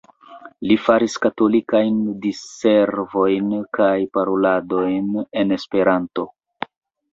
Li faris katolikajn diservojn kaj paroladojn en Esperanto.